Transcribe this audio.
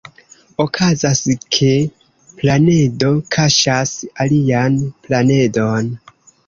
Okazas, ke planedo kaŝas alian planedon.